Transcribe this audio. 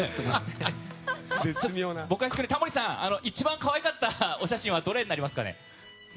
タモリさん一番可愛かったお写真はどれになりますかね？